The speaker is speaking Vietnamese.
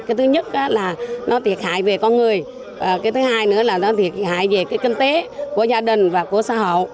cái thứ nhất là nó thiệt hại về con người cái thứ hai nữa là nó thiệt hại về cái kinh tế của gia đình và của xã hội